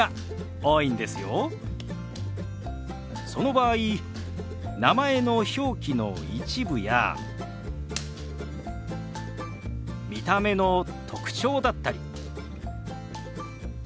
その場合名前の表記の一部や見た目の特徴だったり。